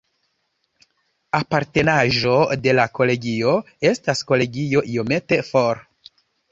Apartenaĵo de la kolegio estas kolegio iomete for.